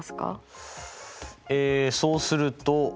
えそうすると。